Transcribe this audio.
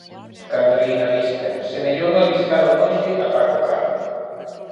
cando erguín a vista semelloume albiscar ó lonxe a Paco Carro.